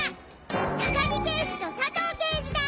高木刑事と佐藤刑事だ！